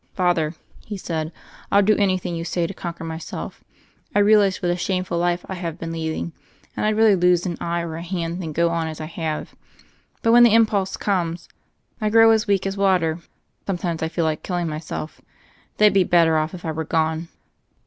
"Father,*' he said, "FU do anything you say to conquer myself. I realize what a shame ful life I have been leading, and Fd rather lose an eye or a hand than go on as I have. But when the impulse comes, I grow as weak as water. Sometimes I feel like killing myself. They'd be better off, if I were gone.